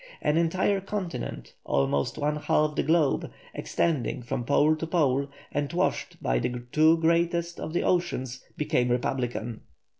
An entire continent, almost one half the globe, extending from pole to pole and washed by the two greatest of the oceans, became republican.